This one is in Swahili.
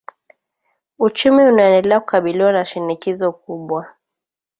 Uchumi unaendelea kukabiliwa na shinikizo kubwa